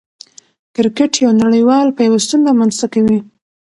کرکټ یو نړۍوال پیوستون رامنځ ته کوي.